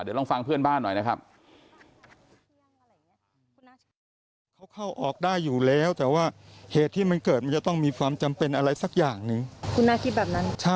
เดี๋ยวลองฟังเพื่อนบ้านหน่อยนะครับ